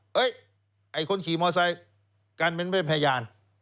ไอ้คนขี่มอไซค์กันเป็นพยาน